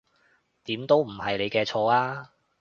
點都唔係你嘅錯呀